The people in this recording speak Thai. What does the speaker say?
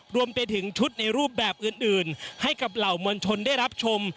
รวมไปถึงชุดในรูปแบบอื่นให้กับเหล่ามวลชนได้รับชม